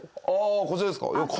あぁこちらですか。